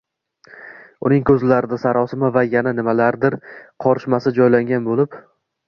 Uning ko‘zlarida sarosima va yana nimalarningdir qorishmasi joylangan bo‘lib